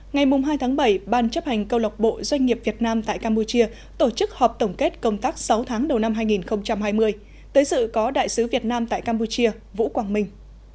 ngày hai tháng bảy ban chấp hành câu lọc bộ doanh nghiệp việt nam tại campuchia tổ chức họp tổng kết công tác sáu tháng đầu năm hai nghìn hai mươi tới sự có đại sứ việt nam tại campuchia vũ quang minh